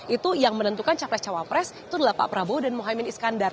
itu yang menentukan capres cawapres itu adalah pak prabowo dan mohaimin iskandar